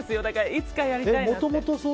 いつかやりたいなって。